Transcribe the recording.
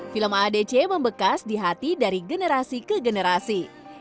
film aadc membekas di hati dari generasi ke generasi